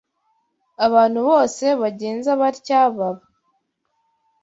Abantu bose bagenza batya baba